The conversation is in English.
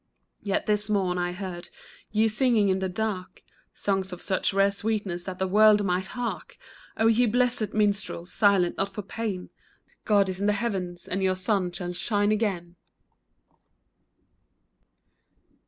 Yet this morn I heard ye singing in the dark, Songs of such rare sweetness that the world might hark ! O ye blessed minstrels, silent not for pain, God is in the heavens, and your sun shall shine again